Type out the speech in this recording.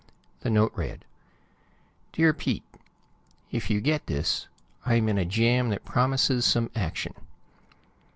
The note read: Dear Pete: If you get this, I'm in a jam that promises some action.